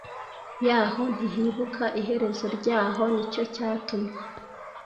yaho Ntihibuka iherezo ryaho Ni cyo cyatumye